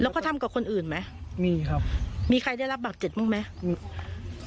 แล้วก็ทำกับคนอื่นไหมมีครับมีใครได้รับบาดเจ็บบ้างไหม